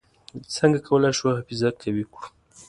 څنګه کولای شو حافظه قوي کړو؟